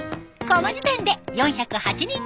この時点で４０８人が参加。